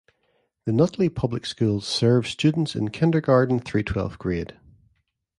The Nutley Public Schools serve students in kindergarten through twelfth grade.